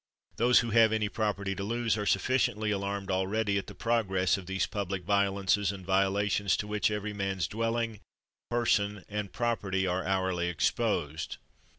Those who have any property to lose are sufficiently alarmed already at the progress of these public violences and violations to which every man's dwelling, person, and property are hourly exposed.